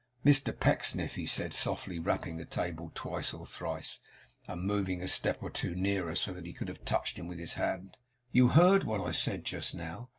'Mr Pecksniff,' he said, softly rapping the table twice or thrice, and moving a step or two nearer, so that he could have touched him with his hand; 'you heard what I said just now.